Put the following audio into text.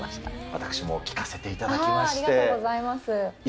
私も聴かせていただきました。